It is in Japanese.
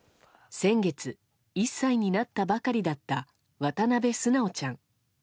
先月１歳になったばかりだった渡辺純ちゃん。